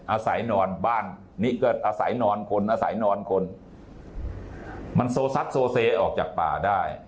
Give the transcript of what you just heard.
อาศัยนอนบ้านนี่ก็อาศัยนอนคนอาศัยนอนคนมันโซซัดโซเซออกจากป่าได้